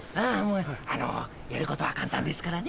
うんやることは簡単ですからね。